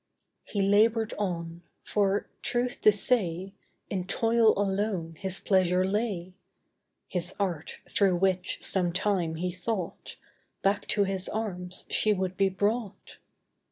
He labored on; for, truth to say, In toil alone his pleasure lay, His art, through which, sometime, he thought, Back to his arms she would be brought.